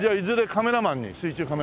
カメラマンに。